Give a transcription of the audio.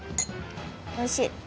おいしい。